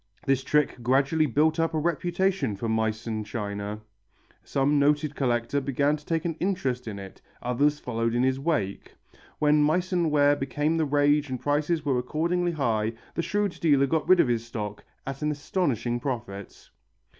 This trick gradually built up a reputation for Meissen china, some noted collector began to take an interest in it, others followed in his wake. When Meissen ware became the rage and prices were accordingly high, the shrewd dealer got rid of his stock at an astonishing profit.